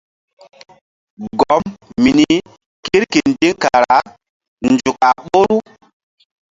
Gɔm mini kirkindiŋ kara nzuk a ɓoru.